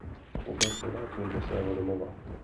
Poté se vrátil do svého domova.